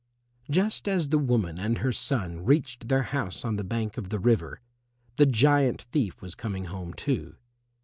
Just as the woman and her son reached their house on the bank of the river, the giant thief was coming home too.